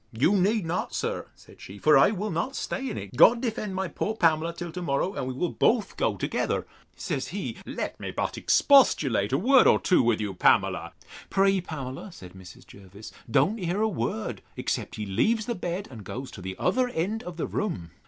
You need not, sir, said she; for I will not stay in it. God defend my poor Pamela till to morrow, and we will both go together.—Says he, let me but expostulate a word or two with you, Pamela. Pray, Pamela, said Mrs. Jervis, don't hear a word, except he leaves the bed, and goes to the other end of the room.